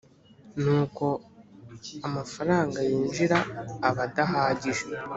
N uko amafaranga yinjira aba adahagije